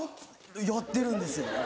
やってるんですよね。